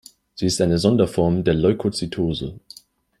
Sie ist eine Sonderform der Leukozytose.